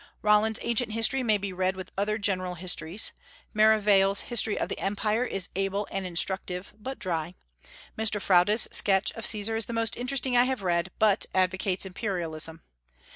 Rollin's Ancient History may be read with other general histories. Merivale's History of the Empire is able and instructive, but dry. Mr. Froude's sketch of Caesar is the most interesting I have read, but advocates imperialism.